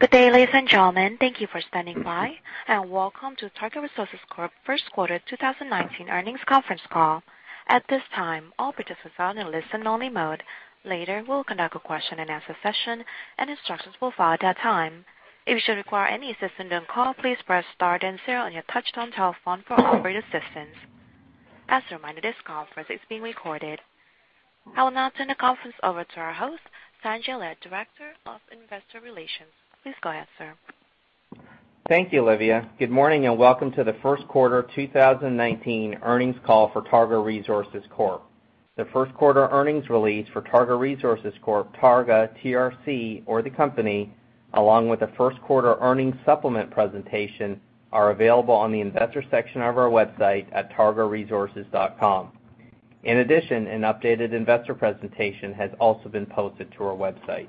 Good day, ladies and gentlemen. Thank you for standing by, and welcome to Targa Resources Corp. First Quarter 2019 Earnings Conference Call. At this time, all participants are in a listen only mode. Later, we'll conduct a question and answer session and instructions will follow at that time. If you should require any assistance during the call, please press star then zero on your touch-tone telephone for operator assistance. As a reminder, this conference is being recorded. I will now turn the conference over to our host, Sanjay Lad, Director of Investor Relations. Please go ahead, sir. Thank you, Olivia. Good morning, and welcome to the first quarter 2019 earnings call for Targa Resources Corp. The first quarter earnings release for Targa Resources Corp, Targa, TRC or the company, along with the first quarter earnings supplement presentation are available on the investor section of our website at targaresources.com. In addition, an updated investor presentation has also been posted to our website.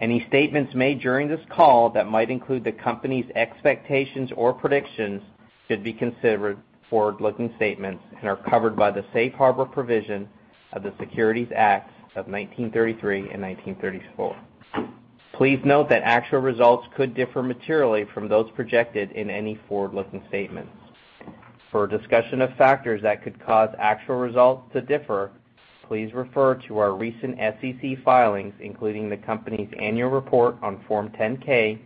Any statements made during this call that might include the company's expectations or predictions should be considered forward-looking statements and are covered by the safe harbor provisions of the Securities Acts of 1933 and 1934. Please note that actual results could differ materially from those projected in any forward-looking statement. For a discussion of factors that could cause actual results to differ, please refer to our recent SEC filings, including the company's annual report on Form 10-K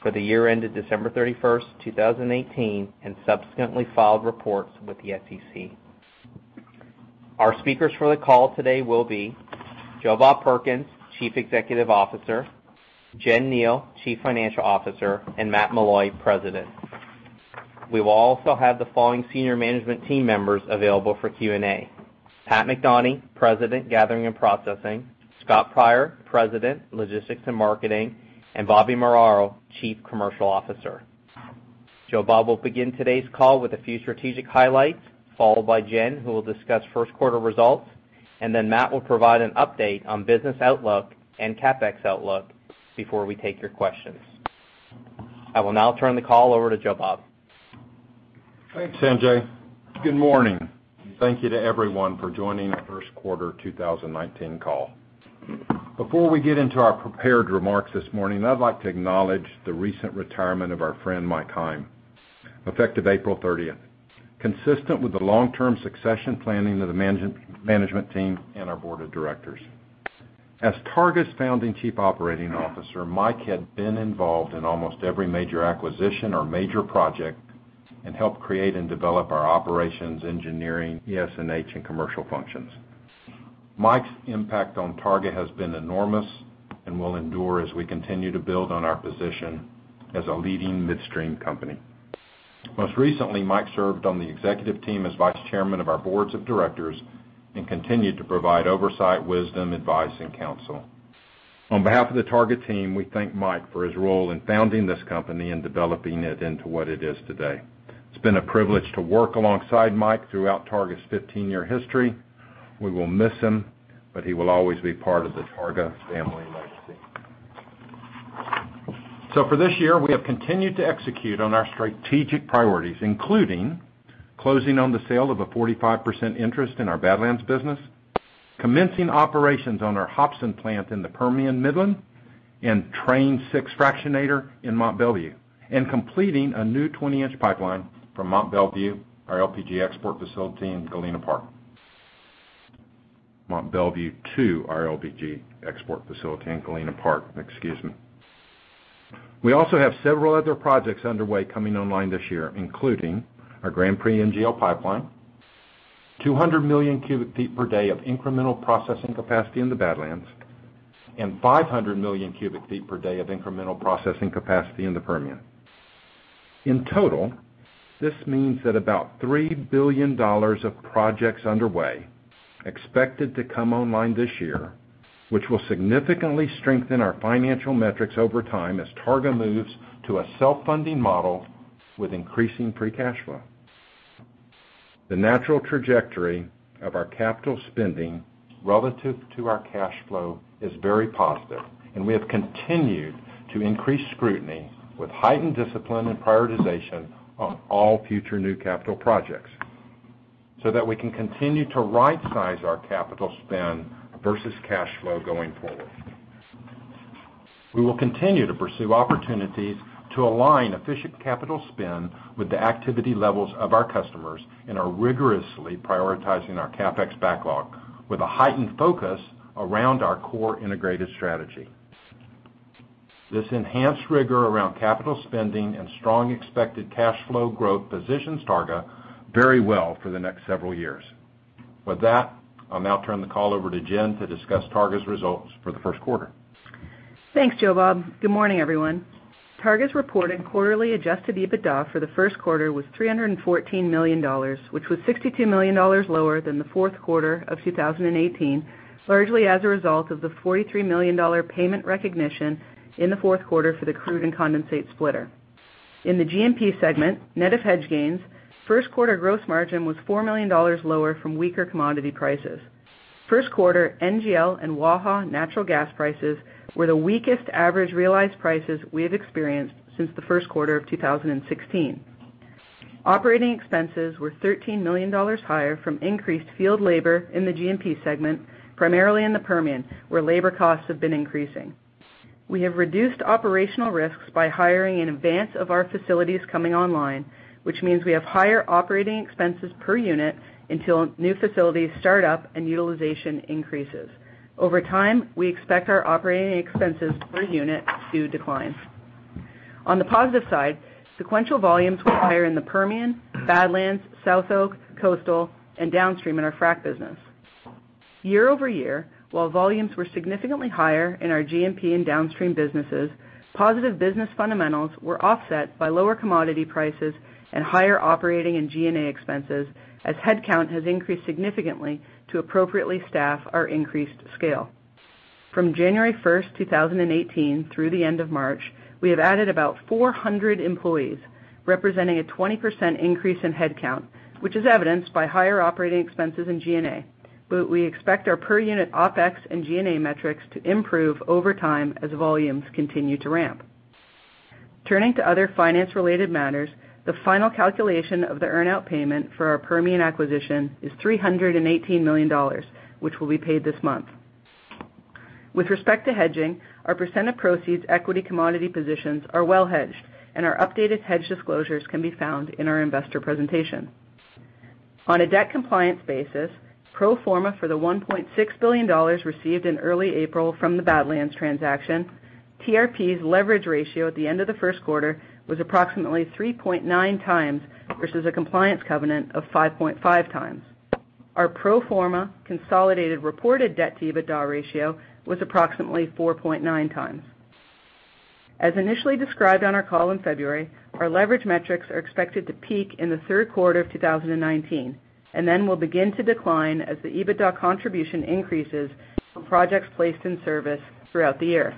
for the year ended December 31st, 2018, and subsequently filed reports with the SEC. Our speakers for the call today will be Joe Bob Perkins, Chief Executive Officer; Jen Kneale, Chief Financial Officer; and Matt Meloy, President. We will also have the following senior management team members available for Q&A: Pat McDonie, President, Gathering and Processing; Scott Pryor, President, Logistics and Marketing; and Bobby Muraro, Chief Commercial Officer. Joe Bob will begin today's call with a few strategic highlights, followed by Jen, who will discuss first quarter results. Then Matt will provide an update on business outlook and CapEx outlook before we take your questions. I will now turn the call over to Joe Bob. Thanks, Sanjay. Good morning, and thank you to everyone for joining our first quarter 2019 call. Before we get into our prepared remarks this morning, I'd like to acknowledge the recent retirement of our friend Mike Heim, effective April 30th, consistent with the long-term succession planning of the management team and our Board of Directors. As Targa's founding Chief Operating Officer, Mike had been involved in almost every major acquisition or major project and helped create and develop our operations, engineering, ES&H and commercial functions. Mike's impact on Targa has been enormous and will endure as we continue to build on our position as a leading midstream company. Most recently, Mike served on the executive team as Vice Chairman of our Board of Directors and continued to provide oversight, wisdom, advice, and counsel. On behalf of the Targa team, we thank Mike for his role in founding this company and developing it into what it is today. It's been a privilege to work alongside Mike throughout Targa's 15-year history. We will miss him, but he will always be part of the Targa family legacy. For this year, we have continued to execute on our strategic priorities, including closing on the sale of a 45% interest in our Badlands business; commencing operations on our Hobson plant in the Permian Midland and Train 6 fractionator in Mont Belvieu; and completing a new 20-inch pipeline from Mont Belvieu, our LPG export facility in Galena Park. Mont Belvieu to our LPG export facility in Galena Park, excuse me. We also have several other projects underway coming online this year, including our Grand Prix NGL Pipeline, 200 million cubic feet per day of incremental processing capacity in the Badlands, and 500 million cubic feet per day of incremental processing capacity in the Permian. In total, this means that about $3 billion of projects underway, expected to come online this year, which will significantly strengthen our financial metrics over time as Targa moves to a self-funding model with increasing free cash flow. The natural trajectory of our capital spending relative to our cash flow is very positive, and we have continued to increase scrutiny with heightened discipline and prioritization on all future new capital projects so that we can continue to right-size our capital spend versus cash flow going forward. We will continue to pursue opportunities to align efficient capital spend with the activity levels of our customers and are rigorously prioritizing our CapEx backlog with a heightened focus around our core integrated strategy. This enhanced rigor around capital spending and strong expected cash flow growth positions Targa very well for the next several years. With that, I'll now turn the call over to Jen to discuss Targa's results for the first quarter. Thanks, Joe Bob. Good morning, everyone. Targa's reported quarterly adjusted EBITDA for the first quarter was $314 million, which was $62 million lower than the fourth quarter of 2018, largely as a result of the $43 million payment recognition in the fourth quarter for the crude and condensate splitter. In the G&P segment, net of hedge gains, first quarter gross margin was $4 million lower from weaker commodity prices. First quarter NGL and Waha natural gas prices were the weakest average realized prices we have experienced since the first quarter of 2016. Operating expenses were $13 million higher from increased field labor in the G&P segment, primarily in the Permian, where labor costs have been increasing. We have reduced operational risks by hiring in advance of our facilities coming online, which means we have higher operating expenses per unit until new facilities start up and utilization increases. Over time, we expect our operating expenses per unit to decline. On the positive side, sequential volumes were higher in the Permian, Badlands, SouthTX, Coastal, and downstream in our frac business. Year-over-year, while volumes were significantly higher in our G&P and downstream businesses, positive business fundamentals were offset by lower commodity prices and higher operating and G&A expenses, as headcount has increased significantly to appropriately staff our increased scale. From January 1, 2018, through the end of March, we have added about 400 employees, representing a 20% increase in headcount, which is evidenced by higher operating expenses in G&A. We expect our per-unit OPEX and G&A metrics to improve over time as volumes continue to ramp. Turning to other finance-related matters, the final calculation of the earn-out payment for our Permian acquisition is $318 million, which will be paid this month. With respect to hedging, our percent of proceeds equity commodity positions are well hedged, and our updated hedge disclosures can be found in our investor presentation. On a debt compliance basis, pro forma for the $1.6 billion received in early April from the Badlands transaction, TRP's leverage ratio at the end of the first quarter was approximately 3.9 times, versus a compliance covenant of 5.5 times. Our pro forma consolidated reported debt-to-EBITDA ratio was approximately 4.9 times. As initially described on our call in February, our leverage metrics are expected to peak in the third quarter of 2019 and then will begin to decline as the EBITDA contribution increases from projects placed in service throughout the year.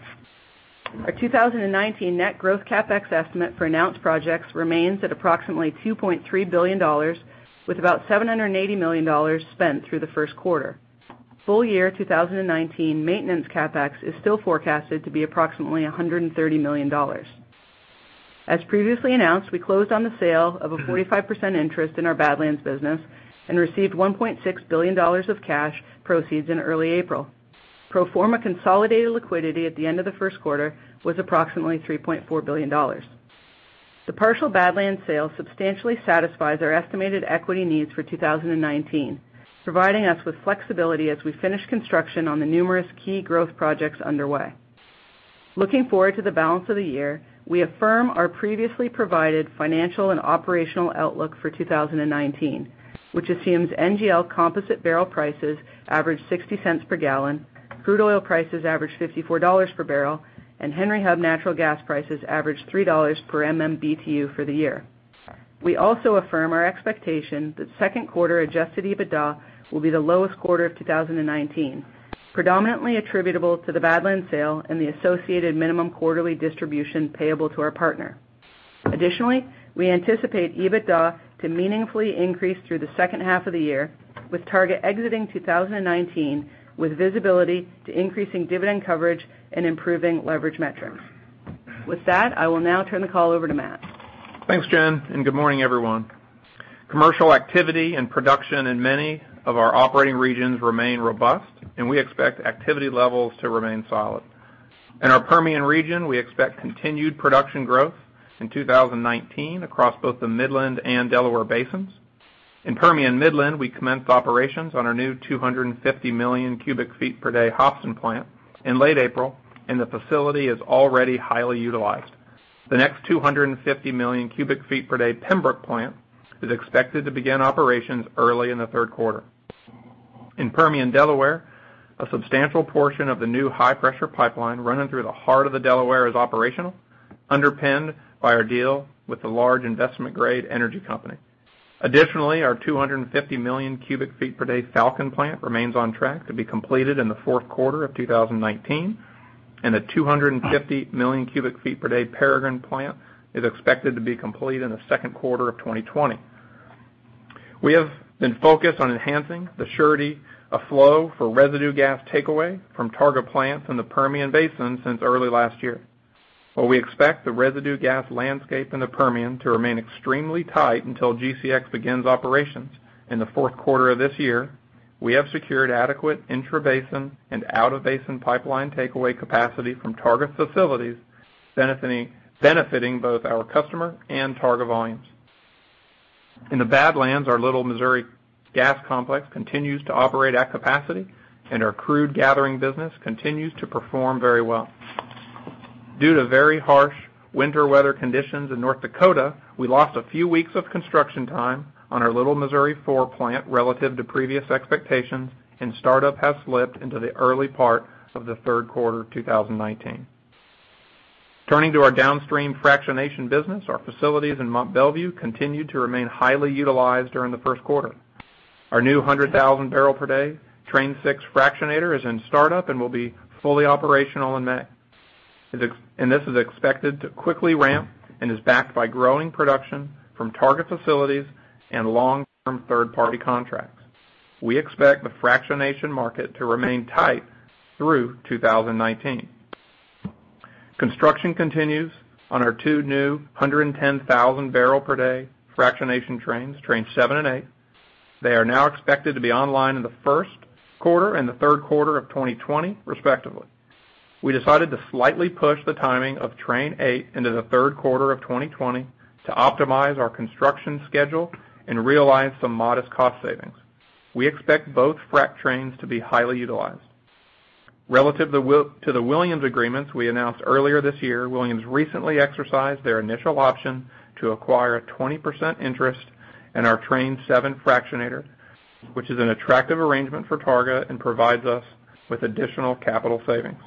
Our 2019 net growth CapEx estimate for announced projects remains at approximately $2.3 billion, with about $780 million spent through the first quarter. Full year 2019 maintenance CapEx is still forecasted to be approximately $130 million. As previously announced, we closed on the sale of a 45% interest in our Badlands business and received $1.6 billion of cash proceeds in early April. Pro forma consolidated liquidity at the end of the first quarter was approximately $3.4 billion. The partial Badlands sale substantially satisfies our estimated equity needs for 2019, providing us with flexibility as we finish construction on the numerous key growth projects underway. Looking forward to the balance of the year, we affirm our previously provided financial and operational outlook for 2019, which assumes NGL composite barrel prices average $0.60 per gallon, crude oil prices average $54 per barrel, and Henry Hub natural gas prices average $3 per MMBtu for the year. We also affirm our expectation that second quarter adjusted EBITDA will be the lowest quarter of 2019, predominantly attributable to the Badlands sale and the associated minimum quarterly distribution payable to our partner. Additionally, we anticipate EBITDA to meaningfully increase through the second half of the year, with Targa exiting 2019 with visibility to increasing dividend coverage and improving leverage metrics. With that, I will now turn the call over to Matt. Thanks, Jen. Good morning, everyone. Commercial activity and production in many of our operating regions remain robust. We expect activity levels to remain solid. In our Permian region, we expect continued production growth in 2019 across both the Midland and Delaware basins. In Permian Midland, we commenced operations on our new 250 million cubic feet per day Hobson plant in late April. The facility is already highly utilized. The next 250 million cubic feet per day Pembrook plant is expected to begin operations early in the third quarter. In Permian Delaware, a substantial portion of the new high-pressure pipeline running through the heart of the Delaware is operational, underpinned by our deal with a large investment-grade energy company. Additionally, our 250 million cubic feet per day Falcon plant remains on track to be completed in the fourth quarter of 2019. A 250 million cubic feet per day Peregrine plant is expected to be complete in the second quarter of 2020. We have been focused on enhancing the surety of flow for residue gas takeaway from Targa plants in the Permian basin since early last year. While we expect the residue gas landscape in the Permian to remain extremely tight until GCX begins operations in the fourth quarter of this year, we have secured adequate intrabasin and out-of-basin pipeline takeaway capacity from Targa facilities, benefiting both our customer and Targa volumes. In the Badlands, our Little Missouri gas complex continues to operate at capacity. Our crude gathering business continues to perform very well. Due to very harsh winter weather conditions in North Dakota, we lost a few weeks of construction time on our Little Missouri IV plant relative to previous expectations. Startup has slipped into the early part of the third quarter 2019. Turning to our downstream fractionation business, our facilities in Mont Belvieu continue to remain highly utilized during the first quarter. Our new 100,000 barrel per day Train 6 fractionator is in startup and will be fully operational in May. This is expected to quickly ramp and is backed by growing production from Targa facilities and long-term third-party contracts. We expect the fractionation market to remain tight through 2019. Construction continues on our two new 110,000 barrel per day fractionation trains, Train 7 and 8. They are now expected to be online in the first quarter and the third quarter of 2020, respectively. We decided to slightly push the timing of Train 8 into the third quarter of 2020 to optimize our construction schedule and realize some modest cost savings. We expect both frac trains to be highly utilized. Relative to The Williams Companies, Inc. agreements we announced earlier this year, The Williams Companies, Inc. recently exercised their initial option to acquire a 20% interest in our Train 7 fractionator, which is an attractive arrangement for Targa and provides us with additional capital savings.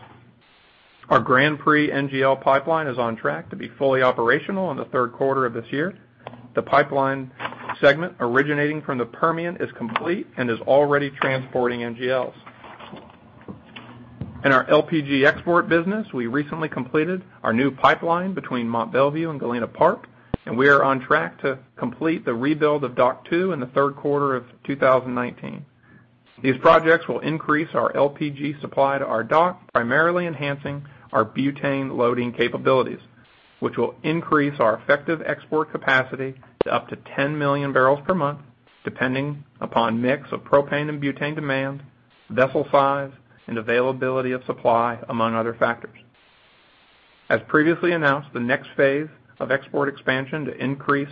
Our Grand Prix NGL Pipeline is on track to be fully operational in the third quarter of this year. The pipeline segment originating from the Permian is complete and is already transporting NGLs. In our LPG export business, we recently completed our new pipeline between Mont Belvieu and Galena Park. We are on track to complete the rebuild of Dock 2 in the third quarter of 2019. These projects will increase our LPG supply to our dock, primarily enhancing our butane loading capabilities, which will increase our effective export capacity to up to 10 million barrels per month, depending upon mix of propane and butane demand, vessel size, and availability of supply, among other factors. As previously announced, the next phase of export expansion to increase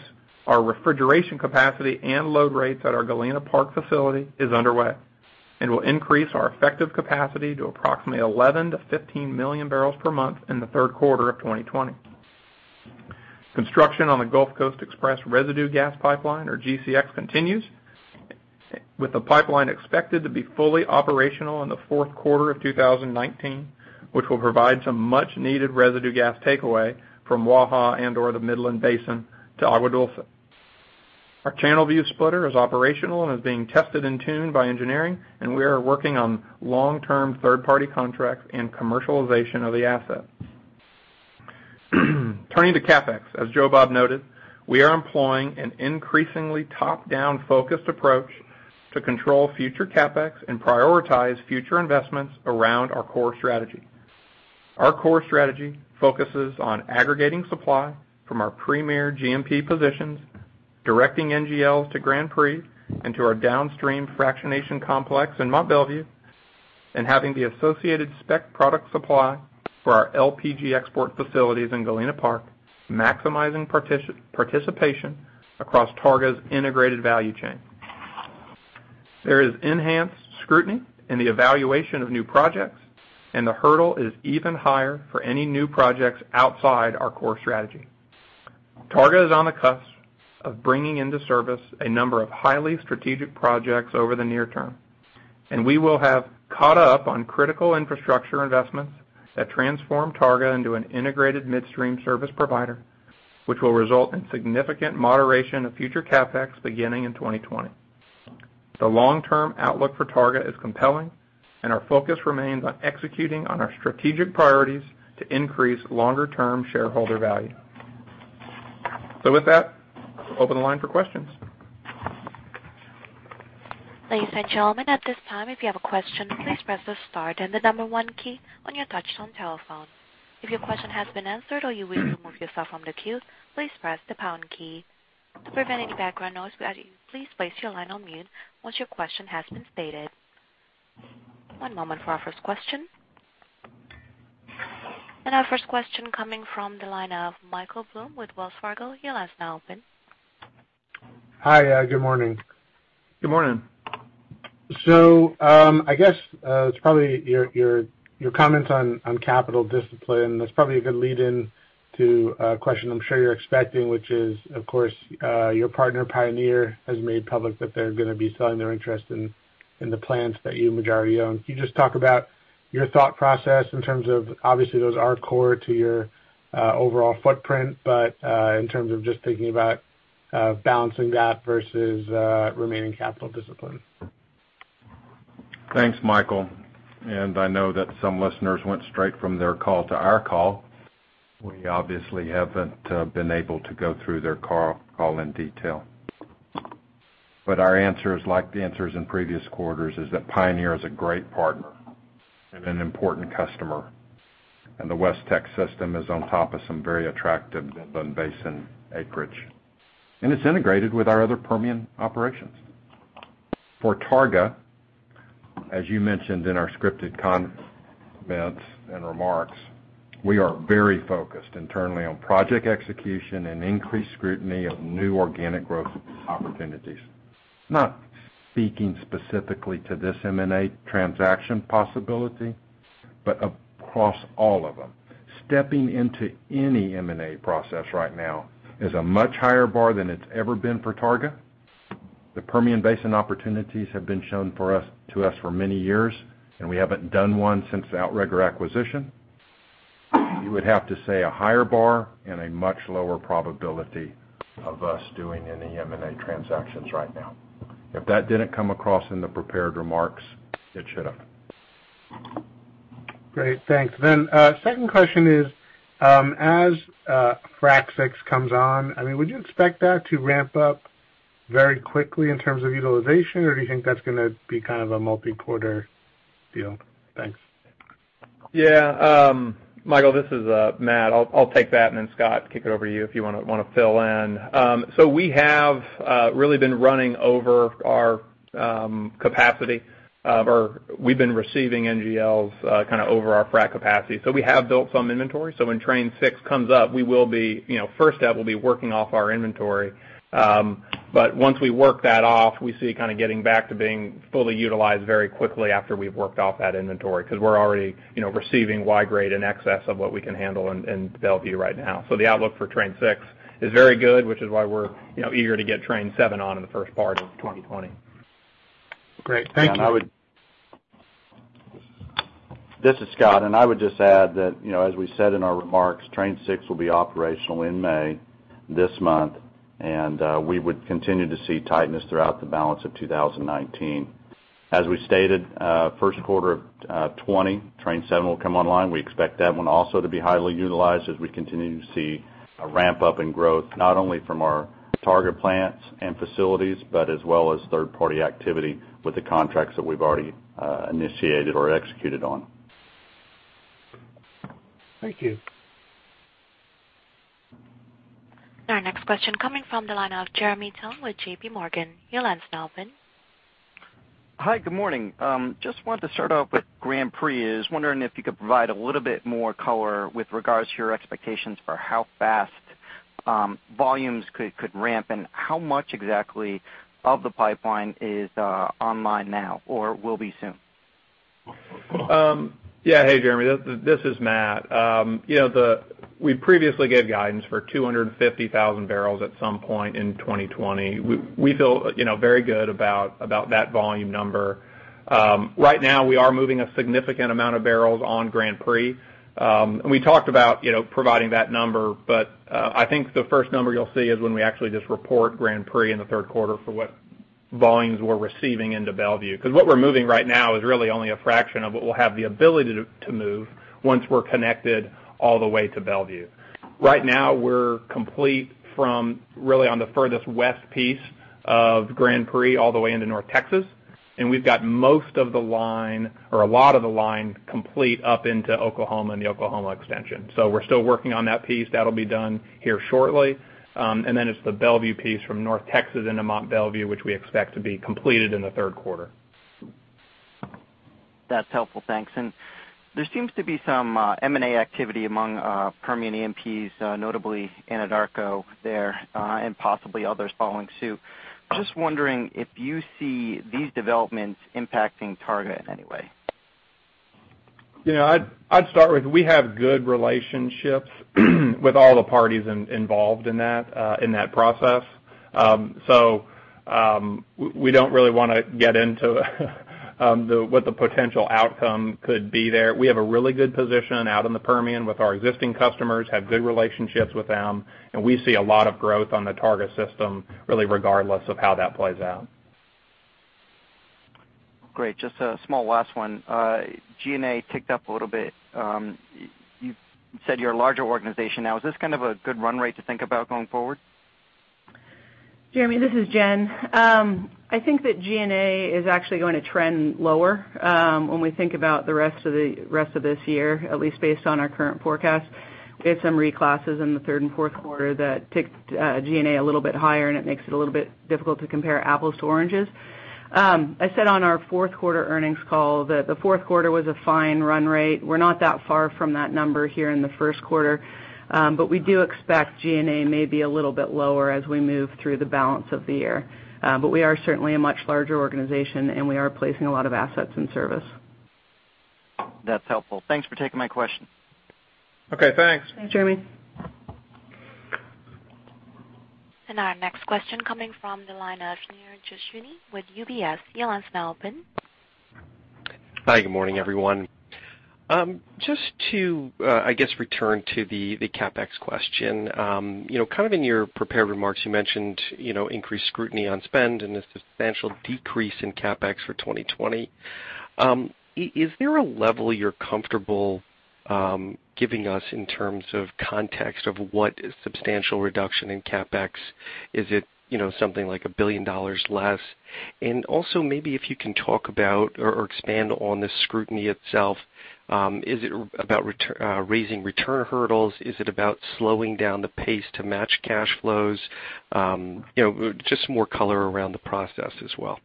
our refrigeration capacity and load rates at our Galena Park facility is underway and will increase our effective capacity to approximately 11 million-15 million barrels per month in the third quarter of 2020. Construction on the Gulf Coast Express residue gas pipeline, or GCX, continues, with the pipeline expected to be fully operational in the fourth quarter of 2019, which will provide some much-needed residue gas takeaway from Waha and or the Midland Basin to Agua Dulce. Our Channelview splitter is operational and is being tested and tuned by engineering. We are working on long-term third-party contracts and commercialization of the asset. Turning to CapEx, as Joe Bob noted, we are employing an increasingly top-down focused approach to control future CapEx and prioritize future investments around our core strategy. Our core strategy focuses on aggregating supply from our premier G&P positions, directing NGLs to Grand Prix and to our downstream fractionation complex in Mont Belvieu. Having the associated spec product supply for our LPG export facilities in Galena Park, maximizing participation across Targa's integrated value chain. There is enhanced scrutiny in the evaluation of new projects. The hurdle is even higher for any new projects outside our core strategy. Targa is on the cusp of bringing into service a number of highly strategic projects over the near term. We will have caught up on critical infrastructure investments that transform Targa into an integrated midstream service provider, which will result in significant moderation of future CapEx beginning in 2020. The long-term outlook for Targa is compelling. Our focus remains on executing on our strategic priorities to increase longer-term shareholder value. With that, open the line for questions. Ladies and gentlemen, at this time, if you have a question, please press the star then the 1 key on your touch-tone telephone. If your question has been answered or you wish to remove yourself from the queue, please press the pound key. To prevent any background noise, we ask that you please place your line on mute once your question has been stated. One moment for our first question. Our first question coming from the line of Michael Blum with Wells Fargo. Your line's now open. Hi. Good morning. Good morning. I guess it's probably your comments on capital discipline that's probably going to lead into a question I'm sure you're expecting, which is, of course, your partner, Pioneer, has made public that they're going to be selling their interest in the plants that you majority own. Can you just talk about your thought process in terms of, obviously, those are core to your overall footprint, but in terms of just thinking about balancing that versus remaining capital discipline? Thanks, Michael, I know that some listeners went straight from their call to our call. We obviously haven't been able to go through their call in detail. Our answer is like the answers in previous quarters, is that Pioneer is a great partner and an important customer. The WestTX system is on top of some very attractive Midland Basin acreage. It's integrated with our other Permian operations. For Targa, as you mentioned in our scripted comments and remarks, we are very focused internally on project execution and increased scrutiny of new organic growth opportunities. Not speaking specifically to this M&A transaction possibility, but across all of them. Stepping into any M&A process right now is a much higher bar than it's ever been for Targa. The Permian Basin opportunities have been shown to us for many years. We haven't done one since the Outrigger acquisition. You would have to say a higher bar and a much lower probability of us doing any M&A transactions right now. If that didn't come across in the prepared remarks, it should have. Great, thanks. Second question is, as Frac VI comes on, would you expect that to ramp up very quickly in terms of utilization, or do you think that's going to be a multi-quarter deal? Thanks. Yeah. Michael, this is Matt. I'll take that. Scott, kick it over to you if you want to fill in. We have really been running over our capacity, or we've been receiving NGLs kind of over our frac capacity. We have built some inventory, when Train Six comes up, first up, we'll be working off our inventory. Once we work that off, we see kind of getting back to being fully utilized very quickly after we've worked off that inventory because we're already receiving Y-grade in excess of what we can handle in Belvieu right now. The outlook for Train Six is very good, which is why we're eager to get Train 7 on in the first part of 2020. Great. Thank you. This is Scott, and I would just add that, as we said in our remarks, Train Six will be operational in May, this month, and we would continue to see tightness throughout the balance of 2019. As we stated, first quarter of 2020, Train 7 will come online. We expect that one also to be highly utilized as we continue to see a ramp-up in growth, not only from our Targa plants and facilities, but as well as third-party activity with the contracts that we've already initiated or executed on. Thank you. Our next question coming from the line of Jeremy Tonet with J.P. Morgan. Your line's now open. Hi, good morning. Just wanted to start off with Grand Prix. I was wondering if you could provide a little bit more color with regards to your expectations for how fast volumes could ramp, and how much exactly of the pipeline is online now or will be soon? Hey, Jeremy, this is Matt. We previously gave guidance for 250,000 barrels at some point in 2020. We feel very good about that volume number. Right now, we are moving a significant amount of barrels on Grand Prix. We talked about providing that number, but I think the first number you'll see is when we actually just report Grand Prix in the third quarter for what volumes we're receiving into Mont Belvieu. What we're moving right now is really only a fraction of what we'll have the ability to move once we're connected all the way to Mont Belvieu. Right now, we're complete from really on the furthest west piece of Grand Prix all the way into North Texas, and we've got most of the line, or a lot of the line complete up into Oklahoma and the Oklahoma extension. We're still working on that piece. That'll be done here shortly. It's the Mont Belvieu piece from North Texas into Mont Belvieu, which we expect to be completed in the third quarter. That's helpful. Thanks. There seems to be some M&A activity among Permian E&Ps, notably Anadarko there, and possibly others following suit. Just wondering if you see these developments impacting Targa in any way. I'd start with, we have good relationships with all the parties involved in that process. We don't really want to get into what the potential outcome could be there. We have a really good position out in the Permian with our existing customers, have good relationships with them, we see a lot of growth on the Targa system, really regardless of how that plays out. Great. Just a small last one. G&A ticked up a little bit. You said you're a larger organization now. Is this kind of a good run rate to think about going forward? Jeremy, this is Jen. I think that G&A is actually going to trend lower when we think about the rest of this year, at least based on our current forecast. We had some reclasses in the third and fourth quarter that ticked G&A a little bit higher, and it makes it a little bit difficult to compare apples to oranges. I said on our fourth quarter earnings call that the fourth quarter was a fine run rate. We're not that far from that number here in the first quarter. We do expect G&A may be a little bit lower as we move through the balance of the year. We are certainly a much larger organization, and we are placing a lot of assets in service. That's helpful. Thanks for taking my question. Okay, thanks. Thanks, Jeremy. Our next question coming from the line of Shneur Gershuni with UBS. Your line's now open. Hi, good morning, everyone. Just to, I guess, return to the CapEx question. Kind of in your prepared remarks, you mentioned increased scrutiny on spend and a substantial decrease in CapEx for 2020. Is there a level you're comfortable giving us in terms of context of what a substantial reduction in CapEx? Is it something like $1 billion less? Also maybe if you can talk about or expand on the scrutiny itself. Is it about raising return hurdles? Is it about slowing down the pace to match cash flows? Just some more color around the process as well.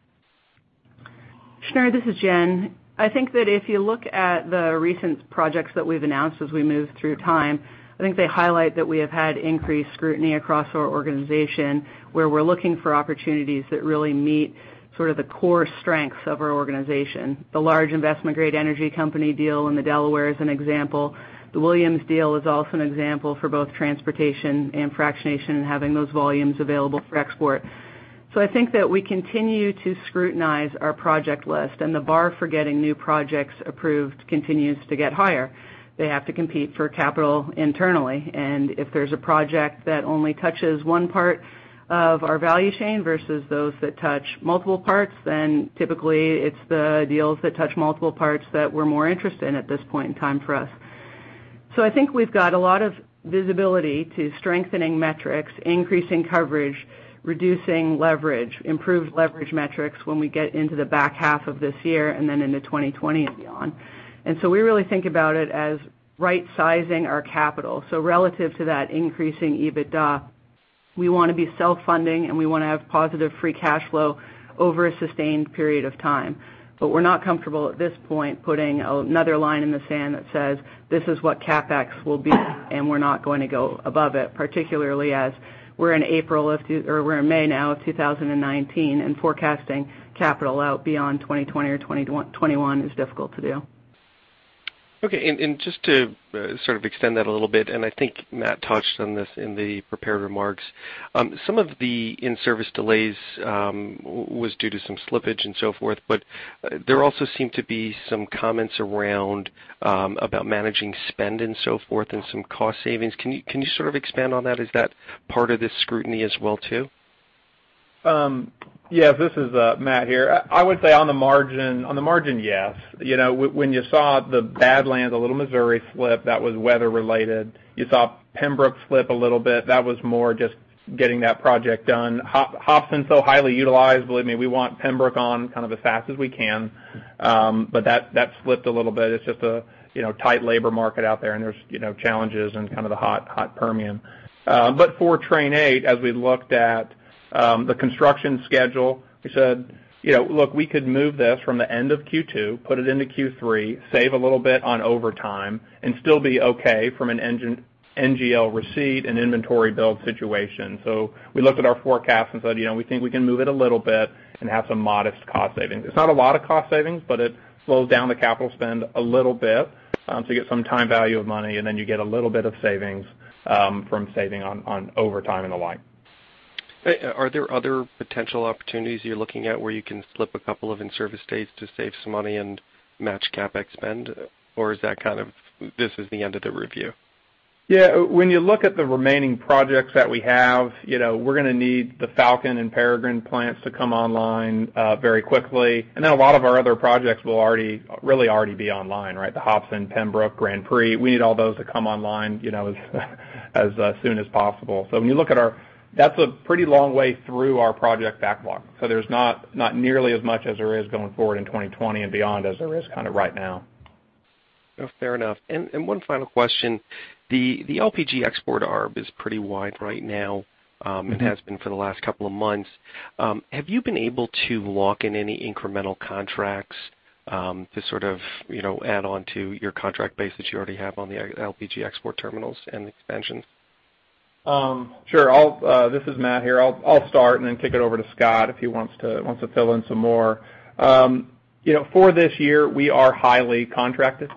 Shneur, this is Jen. I think that if you look at the recent projects that we've announced as we move through time, I think they highlight that we have had increased scrutiny across our organization, where we're looking for opportunities that really meet sort of the core strengths of our organization. The large investment-grade energy company deal in the Delaware is an example. The Williams deal is also an example for both transportation and fractionation, and having those volumes available for export. I think that we continue to scrutinize our project list, and the bar for getting new projects approved continues to get higher. They have to compete for capital internally. If there's a project that only touches one part of our value chain versus those that touch multiple parts, typically it's the deals that touch multiple parts that we're more interested in at this point in time for us. I think we've got a lot of visibility to strengthening metrics, increasing coverage, reducing leverage, improved leverage metrics when we get into the back half of this year and then into 2020 and beyond. We really think about it as right-sizing our capital. Relative to that increasing EBITDA, we want to be self-funding, and we want to have positive free cash flow over a sustained period of time. We're not comfortable at this point putting another line in the sand that says, "This is what CapEx will be, and we're not going to go above it," particularly as we're in May now of 2019. Forecasting capital out beyond 2020 or 2021 is difficult to do. Okay. Just to sort of extend that a little bit. I think Matt touched on this in the prepared remarks. Some of the in-service delays was due to some slippage and so forth, there also seemed to be some comments about managing spend and so forth and some cost savings. Can you sort of expand on that? Is that part of this scrutiny as well, too? Yeah. This is Matt here. I would say on the margin, yes. When you saw the Badlands, the Little Missouri slip, that was weather related. You saw Pembrook slip a little bit. That was more just getting that project done. Hobson, so highly utilized, believe me, we want Pembrook on kind of as fast as we can. That slipped a little bit. It's just a tight labor market out there's challenges in kind of the hot Permian. For Train 8, as we looked at the construction schedule, we said, "Look, we could move this from the end of Q2, put it into Q3, save a little bit on overtime, and still be okay from an NGL receipt and inventory build situation." We looked at our forecast and said, "We think we can move it a little bit and have some modest cost savings." It's not a lot of cost savings, but it slows down the capital spend a little bit to get some time value of money, and then you get a little bit of savings from saving on overtime and the like. Are there other potential opportunities you're looking at where you can slip a couple of in-service dates to save some money and match CapEx spend? Is that kind of, this is the end of the review? Yeah. When you look at the remaining projects that we have, we're going to need the Falcon and Peregrine plants to come online very quickly. A lot of our other projects will really already be online, right? The Hobson, Pembrook, Grand Prix, we need all those to come online as soon as possible. When you look at That's a pretty long way through our project backlog. There's not nearly as much as there is going forward in 2020 and beyond as there is kind of right now. Fair enough. One final question. The LPG export arb is pretty wide right now. It has been for the last couple of months. Have you been able to lock in any incremental contracts to sort of add on to your contract base that you already have on the LPG export terminals and expansions? Sure. This is Matt here. I'll start and then kick it over to Scott if he wants to fill in some more. For this year, we are highly contracted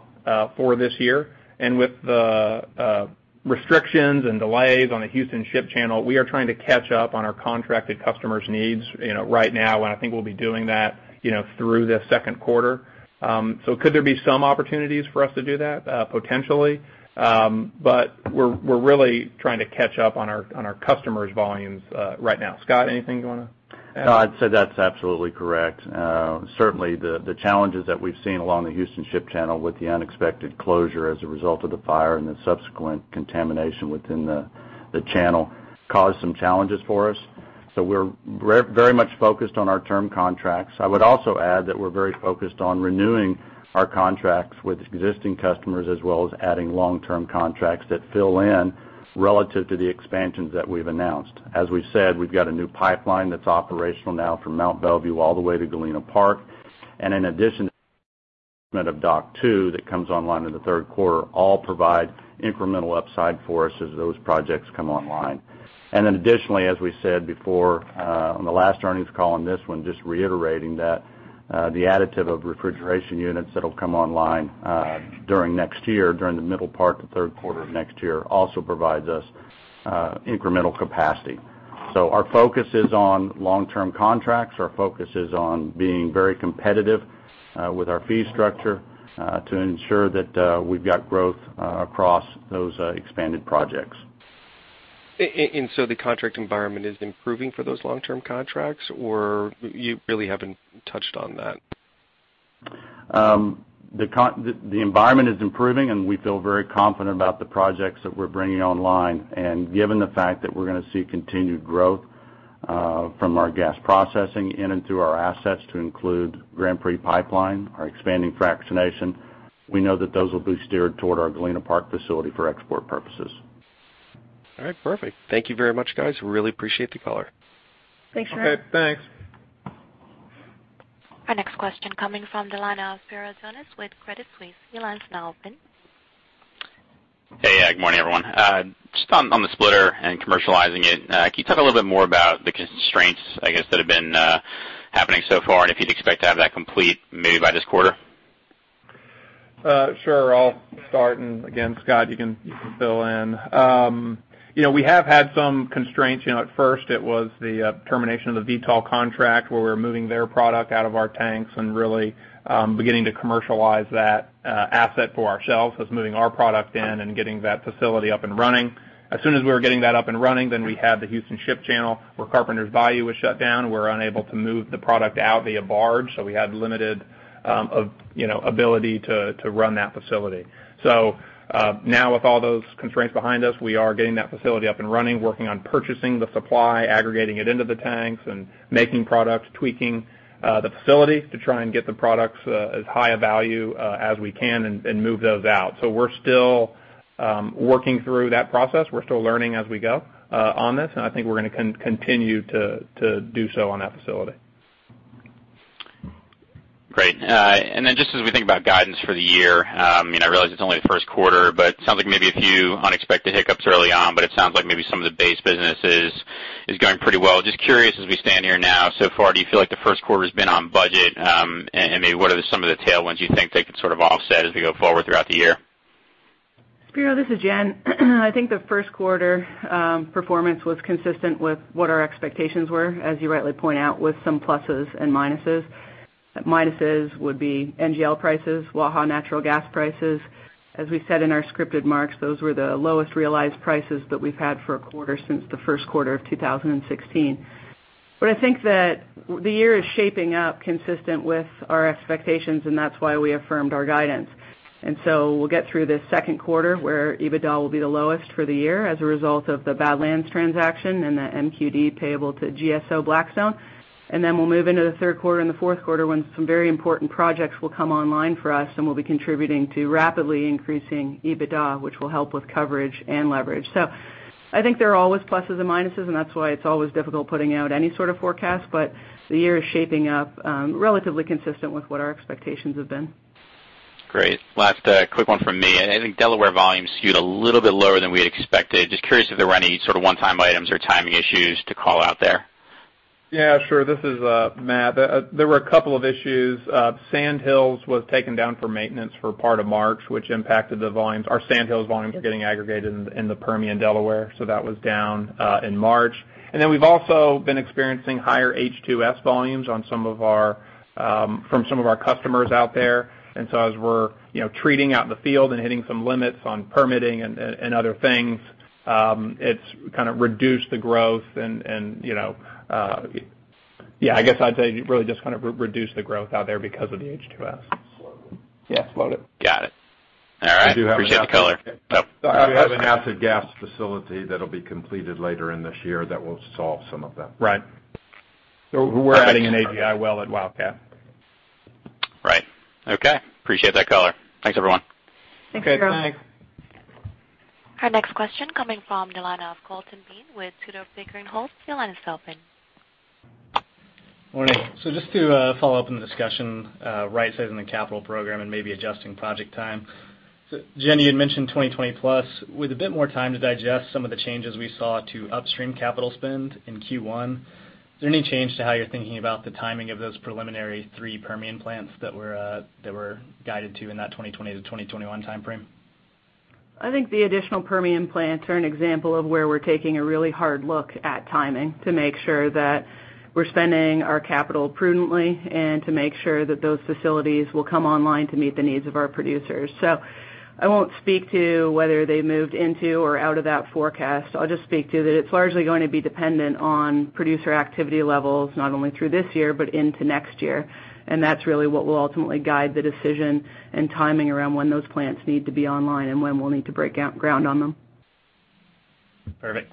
for this year. With the restrictions and delays on the Houston Ship Channel, we are trying to catch up on our contracted customers' needs right now, and I think we'll be doing that through the second quarter. Could there be some opportunities for us to do that? Potentially. We're really trying to catch up on our customers' volumes right now. Scott, anything you want to add? No, I'd say that's absolutely correct. Certainly, the challenges that we've seen along the Houston Ship Channel with the unexpected closure as a result of the fire and the subsequent contamination within the channel caused some challenges for us. We're very much focused on our term contracts. I would also add that we're very focused on renewing our contracts with existing customers, as well as adding long-term contracts that fill in relative to the expansions that we've announced. As we've said, we've got a new pipeline that's operational now from Mont Belvieu all the way to Galena Park. In addition, of Dock 2 that comes online in the third quarter, all provide incremental upside for us as those projects come online. Additionally, as we said before on the last earnings call and this one, just reiterating that the additive of refrigeration units that'll come online during next year, during the middle part to third quarter of next year, also provides us incremental capacity. Our focus is on long-term contracts. Our focus is on being very competitive with our fee structure to ensure that we've got growth across those expanded projects. The contract environment is improving for those long-term contracts? You really haven't touched on that. The environment is improving, and we feel very confident about the projects that we're bringing online. Given the fact that we're going to see continued growth from our gas processing in and through our assets to include Grand Prix Pipeline, our expanding fractionation, we know that those will be steered toward our Galena Park facility for export purposes. All right, perfect. Thank you very much, guys. Really appreciate the color. Thanks, Matt. Okay, thanks. Our next question coming from the line of Spiro Dounis with Credit Suisse. Your line's now open. Hey. Good morning, everyone. Just on the splitter and commercializing it, can you talk a little bit more about the constraints, I guess, that have been happening so far and if you'd expect to have that complete maybe by this quarter? Sure. I'll start, again, Scott, you can fill in. We have had some constraints. At first, it was the termination of the Vitol contract where we were moving their product out of our tanks and really beginning to commercialize that asset for ourselves. It's moving our product in and getting that facility up and running. As soon as we were getting that up and running, then we had the Houston Ship Channel, where Carpenters Bayou was shut down. We're unable to move the product out via barge, so we had limited ability to run that facility. Now with all those constraints behind us, we are getting that facility up and running, working on purchasing the supply, aggregating it into the tanks, and making products, tweaking the facility to try and get the products as high a value as we can and move those out. We're still working through that process. We're still learning as we go on this, and I think we're going to continue to do so on that facility. Great. Just as we think about guidance for the year, I realize it's only the first quarter, it sounds like maybe a few unexpected hiccups early on, it sounds like maybe some of the base businesses is going pretty well. Just curious, as we stand here now, so far, do you feel like the first quarter's been on budget? Maybe what are some of the tailwinds you think they could sort of offset as we go forward throughout the year? Spiro, this is Jen. I think the first quarter performance was consistent with what our expectations were, as you rightly point out, with some pluses and minuses. Minuses would be NGL prices, Waha natural gas prices. As we said in our scripted marks, those were the lowest realized prices that we've had for a quarter since the first quarter of 2016. I think that the year is shaping up consistent with our expectations, and that's why we affirmed our guidance. We'll get through this second quarter where EBITDA will be the lowest for the year as a result of the Badlands transaction and that MQD payable to GSO Blackstone. We'll move into the third quarter and the fourth quarter when some very important projects will come online for us and will be contributing to rapidly increasing EBITDA, which will help with coverage and leverage. I think there are always pluses and minuses, and that's why it's always difficult putting out any sort of forecast, the year is shaping up relatively consistent with what our expectations have been. Great. Last quick one from me. I think Delaware volume skewed a little bit lower than we had expected. Just curious if there were any sort of one-time items or timing issues to call out there. Yeah, sure. This is Matt. There were a couple of issues. Sand Hills was taken down for maintenance for part of March, which impacted the volumes. Our Sand Hills volumes are getting aggregated in the Permian Delaware, so that was down in March. We've also been experiencing higher H2S volumes from some of our customers out there. As we're treating out in the field and hitting some limits on permitting and other things, it's reduced the growth out there because of the H2S. Got it. All right. Appreciate the color. We have an acid gas facility that'll be completed later in this year that will solve some of that. Right. We're adding an AGI well at Wildcat. Right. Okay. Appreciate that color. Thanks, everyone. Thanks. Okay, thanks. Our next question coming from the line of Colton Bean with Tudor, Pickering, Holt Your line is open. Morning. Just to follow up on the discussion, right-sizing the capital program and maybe adjusting project time. Jen, you had mentioned 2020+. With a bit more time to digest some of the changes we saw to upstream capital spend in Q1, is there any change to how you're thinking about the timing of those preliminary three Permian plants that were guided to in that 2020-2021 timeframe? I think the additional Permian plants are an example of where we're taking a really hard look at timing to make sure that we're spending our capital prudently and to make sure that those facilities will come online to meet the needs of our producers. I won't speak to whether they moved into or out of that forecast. I'll just speak to that it's largely going to be dependent on producer activity levels, not only through this year but into next year. That's really what will ultimately guide the decision and timing around when those plants need to be online and when we'll need to break ground on them. Perfect.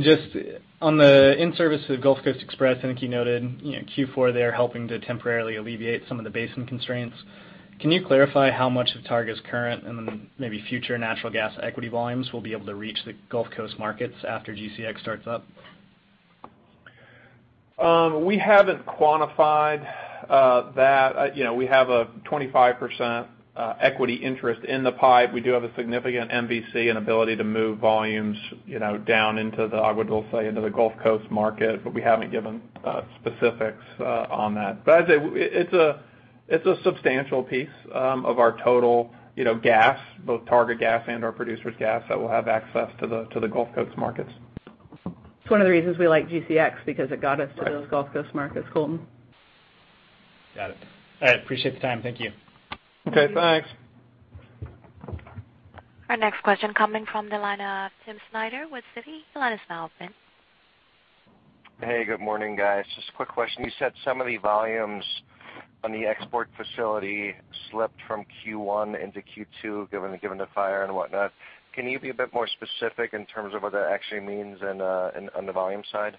Just on the in-service of the Gulf Coast Express, I think you noted Q4 there helping to temporarily alleviate some of the basin constraints. Can you clarify how much of Targa's current and maybe future natural gas equity volumes will be able to reach the Gulf Coast markets after GCX starts up? We haven't quantified that. We have a 25% equity interest in the pipe. We do have a significant MVC and ability to move volumes down into the Agua Dulce, into the Gulf Coast market, we haven't given specifics on that. I'd say it's a substantial piece of our total gas, both Targa gas and our producer's gas, that will have access to the Gulf Coast markets. It's one of the reasons we like GCX, because it got us to those Gulf Coast markets, Colton. Got it. All right. Appreciate the time. Thank you. Okay, thanks. Our next question coming from the line of Tim Snyder with Citi. Your line is now open. Hey, good morning, guys. Just a quick question. You said some of the volumes on the export facility slipped from Q1 into Q2, given the fire and whatnot. Can you be a bit more specific in terms of what that actually means on the volume side?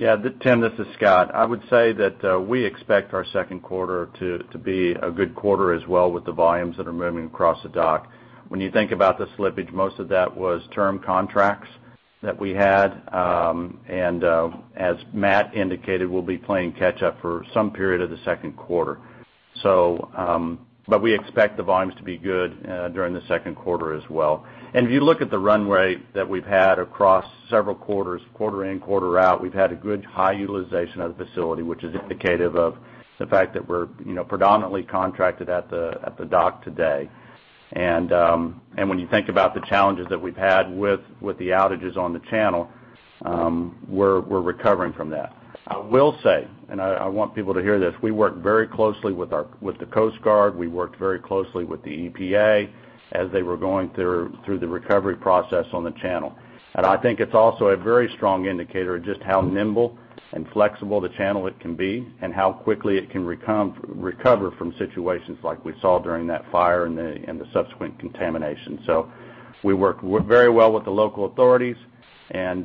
Yeah, Tim, this is Scott. I would say that we expect our second quarter to be a good quarter as well with the volumes that are moving across the dock. When you think about the slippage, most of that was term contracts that we had, and as Matt indicated, we'll be playing catch up for some period of the second quarter. We expect the volumes to be good during the second quarter as well. If you look at the run rate that we've had across several quarters, quarter in, quarter out, we've had a good high utilization of the facility, which is indicative of the fact that we're predominantly contracted at the dock today. And, when you think about the challenges that we've had with the outages on the channel, we're recovering from that. I will say, I want people to hear this, we work very closely with the Coast Guard, we worked very closely with the EPA as they were going through the recovery process on the channel. I think it's also a very strong indicator of just how nimble and flexible the channel it can be and how quickly it can recover from situations like we saw during that fire and the subsequent contamination. We work very well with the local authorities, and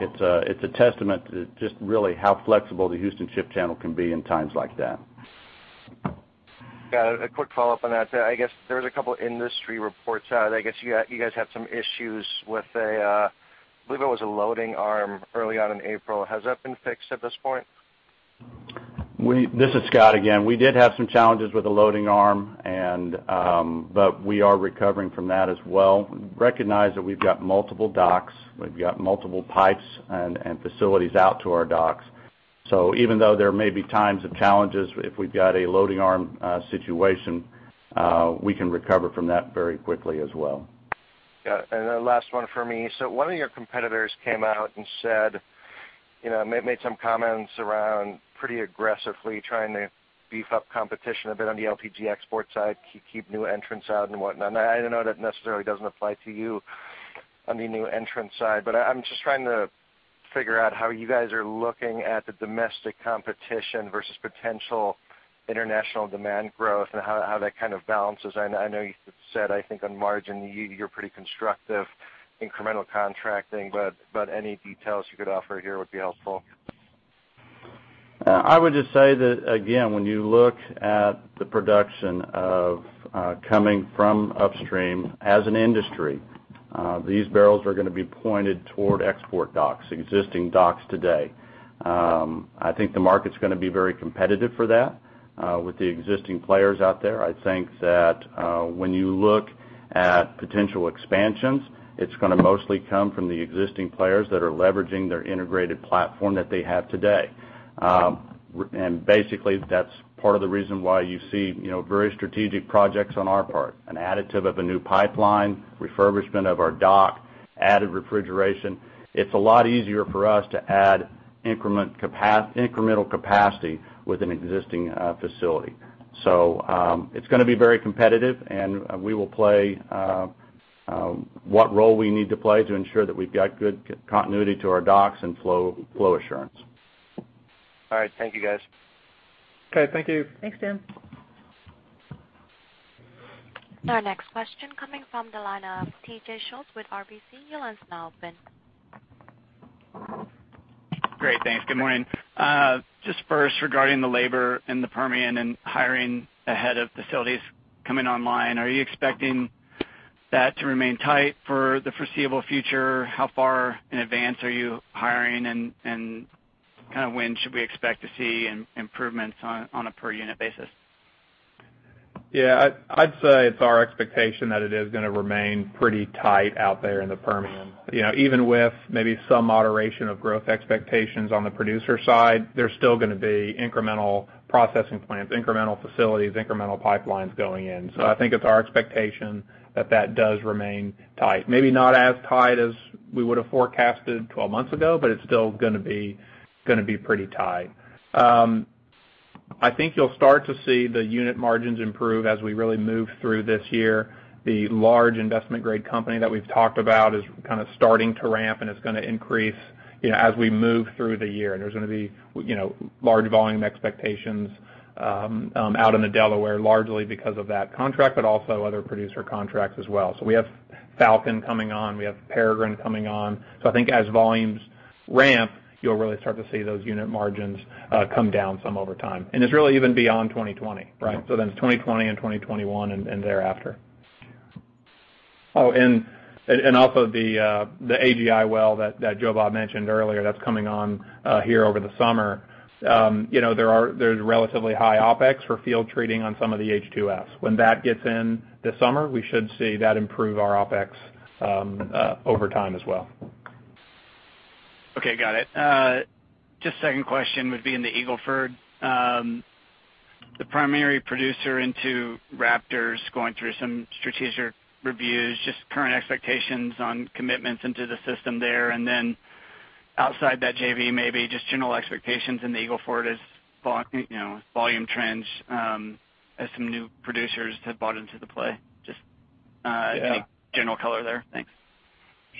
it's a testament to just really how flexible the Houston Ship Channel can be in times like that. Got it. A quick follow-up on that. I guess there was a couple industry reports out. I guess you guys had some issues with I believe it was a loading arm early on in April. Has that been fixed at this point? This is Scott again. We did have some challenges with the loading arm, we are recovering from that as well. Recognize that we've got multiple docks, we've got multiple pipes and facilities out to our docks. Even though there may be times of challenges, if we've got a loading arm situation, we can recover from that very quickly as well. Got it. The last one from me. One of your competitors came out and made some comments around pretty aggressively trying to beef up competition a bit on the LPG export side, keep new entrants out and whatnot. I know that necessarily doesn't apply to you on the new entrant side, I'm just trying to figure out how you guys are looking at the domestic competition versus potential international demand growth and how that kind of balances. I know you said, I think on margin, you're pretty constructive, incremental contracting, any details you could offer here would be helpful. I would just say that, again, when you look at the production of coming from upstream as an industry, these barrels are going to be pointed toward export docks, existing docks today. I think the market's going to be very competitive for that with the existing players out there. I think that when you look at potential expansions, it's going to mostly come from the existing players that are leveraging their integrated platform that they have today. Basically, that's part of the reason why you see very strategic projects on our part, an additive of a new pipeline, refurbishment of our dock, added refrigeration. It's a lot easier for us to add incremental capacity with an existing facility. It's going to be very competitive, and we will play what role we need to play to ensure that we've got good continuity to our docks and flow assurance. All right. Thank you guys. Okay, thank you. Thanks, Tim. Our next question coming from the line of TJ Schultz with RBC. Your line's now open. Great. Thanks. Good morning. First regarding the labor in the Permian and hiring ahead of facilities coming online, are you expecting that to remain tight for the foreseeable future? How far in advance are you hiring and kind of when should we expect to see improvements on a per unit basis? Yeah. I'd say it's our expectation that it is going to remain pretty tight out there in the Permian. Even with maybe some moderation of growth expectations on the producer side, there's still going to be incremental processing plants, incremental facilities, incremental pipelines going in. I think it's our expectation that that does remain tight. Maybe not as tight as we would've forecasted 12 months ago, but it's still going to be pretty tight. I think you'll start to see the unit margins improve as we really move through this year. The large investment-grade company that we've talked about is kind of starting to ramp, and it's going to increase as we move through the year. There's going to be large volume expectations out in the Delaware, largely because of that contract, but also other producer contracts as well. We have Falcon coming on, we have Peregrine coming on. I think as volumes ramp, you'll really start to see those unit margins come down some over time. It's really even beyond 2020, right? It's 2020 and 2021 and thereafter. The AGI well that Joe Bob mentioned earlier, that's coming on here over the summer. There's relatively high OPEX for field treating on some of the H2S. When that gets in this summer, we should see that improve our OPEX over time as well. Okay. Got it. Second question would be in the Eagle Ford. The primary producer into Raptor going through some strategic reviews, current expectations on commitments into the system there, and then outside that JV, maybe general expectations in the Eagle Ford as volume trends as some new producers have bought into the play. Yeah Any general color there? Thanks.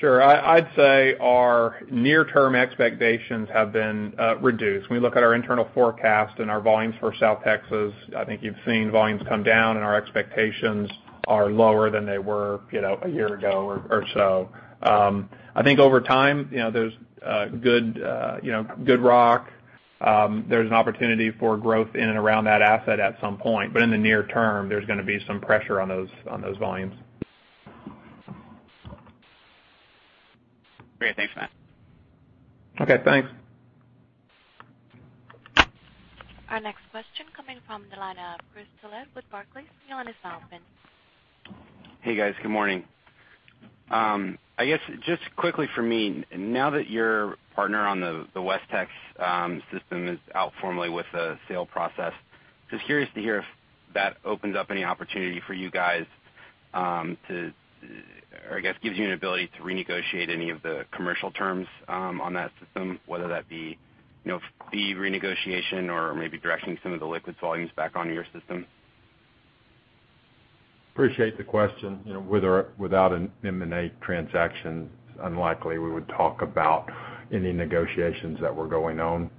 Sure. I'd say our near-term expectations have been reduced. When we look at our internal forecast and our volumes for South Texas, I think you've seen volumes come down and our expectations are lower than they were a year ago or so. I think over time, there's good rock. There's an opportunity for growth in and around that asset at some point. In the near term, there's going to be some pressure on those volumes. Great. Thanks, Matt. Okay, thanks. Our next question coming from the line of Chris Tollet with Barclays. Your line is now open. Hey, guys. Good morning. I guess just quickly for me, now that your partner on the WestTX system is out formally with the sale process, just curious to hear if that opens up any opportunity for you guys to I guess gives you an ability to renegotiate any of the commercial terms on that system, whether that be fee renegotiation or maybe directing some of the liquid volumes back onto your system. Appreciate the question. With or without an M&A transaction, it's unlikely we would talk about any negotiations that were going on.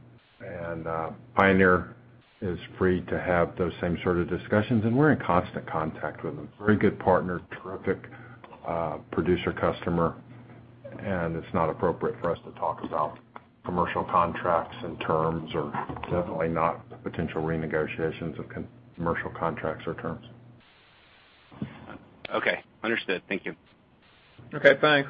Pioneer is free to have those same sort of discussions, we're in constant contact with them. Very good partner, terrific producer customer, it's not appropriate for us to talk about commercial contracts and terms, or definitely not potential renegotiations of commercial contracts or terms. Okay. Understood. Thank you. Okay, thanks.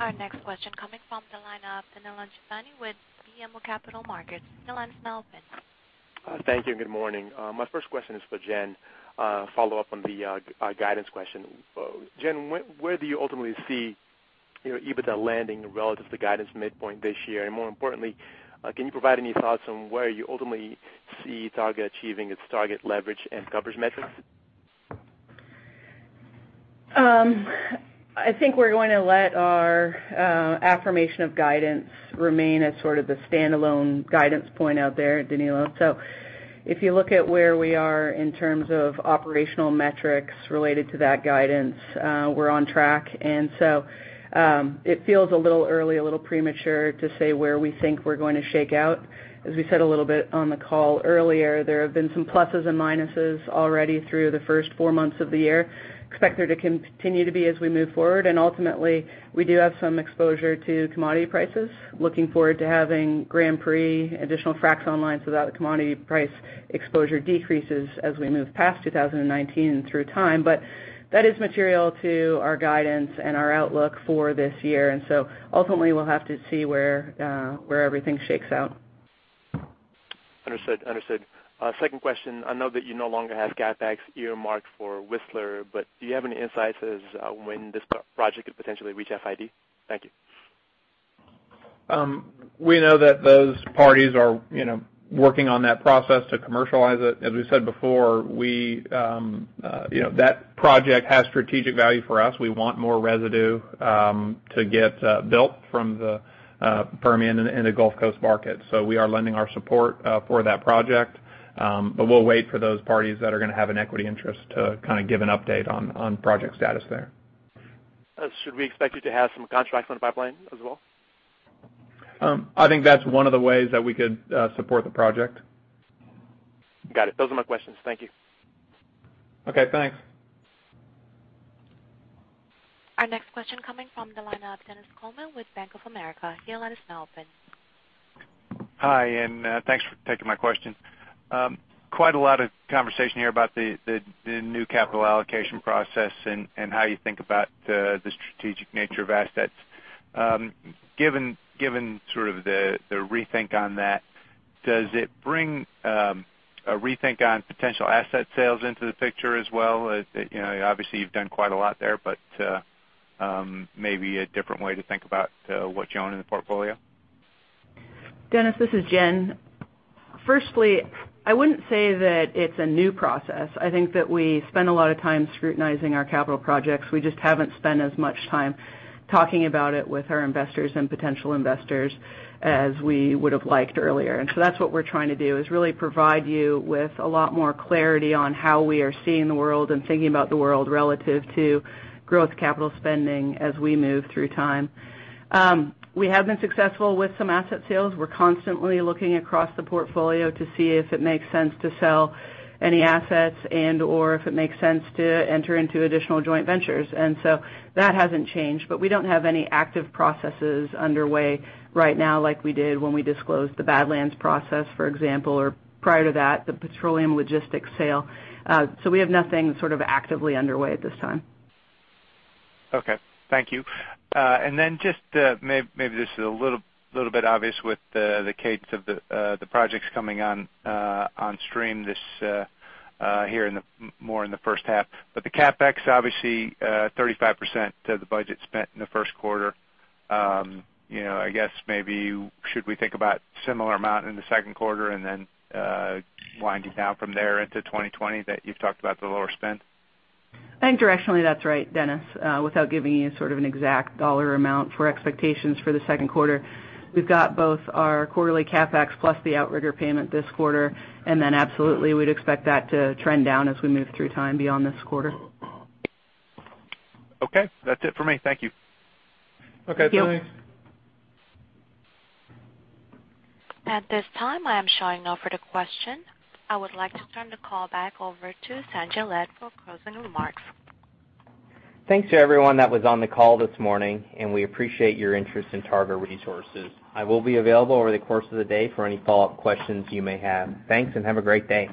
Our next question coming from the line of Danilo Criscione with BMO Capital Markets. Danilo, line's now open. Thank you and good morning. My first question is for Jen, a follow-up on the guidance question. Jen, where do you ultimately see your EBITDA landing relative to the guidance midpoint this year? More importantly, can you provide any thoughts on where you ultimately see Targa achieving its target leverage and coverage metrics? I think we're going to let our affirmation of guidance remain as sort of the standalone guidance point out there, Danilo. If you look at where we are in terms of operational metrics related to that guidance, we're on track. It feels a little early, a little premature to say where we think we're going to shake out. As we said a little bit on the call earlier, there have been some pluses and minuses already through the first four months of the year. Expect there to continue to be as we move forward, and ultimately, we do have some exposure to commodity prices. Looking forward to having Grand Prix additional fracs online so that commodity price exposure decreases as we move past 2019 and through time. That is material to our guidance and our outlook for this year. ultimately, we'll have to see where everything shakes out. Understood. Second question, I know that you no longer have CapEx earmarked for Whistler, do you have any insights as to when this project could potentially reach FID? Thank you. We know that those parties are working on that process to commercialize it. As we said before, that project has strategic value for us. We want more residue to get built from the Permian in the Gulf Coast market. We are lending our support for that project. We'll wait for those parties that are going to have an equity interest to give an update on project status there. Should we expect you to have some contracts on the pipeline as well? I think that's one of the ways that we could support the project. Got it. Those are my questions. Thank you. Okay, thanks. Our next question coming from the line of Dennis Coleman with Bank of America. Your line is now open. Hi, thanks for taking my question. Quite a lot of conversation here about the new capital allocation process and how you think about the strategic nature of assets. Given sort of the rethink on that, does it bring a rethink on potential asset sales into the picture as well? Obviously, you've done quite a lot there, but maybe a different way to think about what you own in the portfolio. Dennis, this is Jen. Firstly, I wouldn't say that it's a new process. I think that we spend a lot of time scrutinizing our capital projects. We just haven't spent as much time talking about it with our investors and potential investors as we would've liked earlier. That's what we're trying to do, is really provide you with a lot more clarity on how we are seeing the world and thinking about the world relative to growth capital spending as we move through time. We have been successful with some asset sales. We're constantly looking across the portfolio to see if it makes sense to sell any assets and/or if it makes sense to enter into additional joint ventures. That hasn't changed, but we don't have any active processes underway right now like we did when we disclosed the Badlands process, for example, or prior to that, the petroleum logistics sale. We have nothing sort of actively underway at this time. Okay. Thank you. Just maybe this is a little bit obvious with the pace of the projects coming on stream more in the first half. The CapEx, obviously, 35% of the budget spent in the first quarter. I guess maybe should we think about similar amount in the second quarter and then winding down from there into 2020 that you've talked about the lower spend? I think directionally that's right, Dennis. Without giving you sort of an exact dollar amount for expectations for the second quarter, we've got both our quarterly CapEx plus the Outrigger payment this quarter, then absolutely, we'd expect that to trend down as we move through time beyond this quarter. Okay. That's it for me. Thank you. Okay. Thanks. Thank you. At this time, I am showing no further question. I would like to turn the call back over to Sanjay Lad for closing remarks. Thanks to everyone that was on the call this morning. We appreciate your interest in Targa Resources. I will be available over the course of the day for any follow-up questions you may have. Thanks. Have a great day